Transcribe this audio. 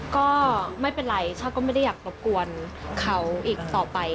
ก็ไม่เป็นไรช่าก็ไม่ได้อยากรบกวนเขาอีกต่อไป